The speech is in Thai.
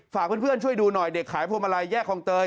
ฝากเพื่อนช่วยดูหน่อยเด็กขายพวงมาลัยแยกคลองเตย